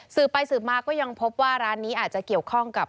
สืบไปสืบมาก็ยังพบว่าร้านนี้อาจจะเกี่ยวข้องกับ